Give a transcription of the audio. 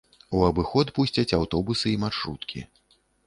У абыход пусцяць аўтобусы і маршруткі.